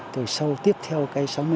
từ sau tiếp theo cây sáu mươi hai